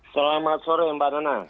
selamat sore mbak dana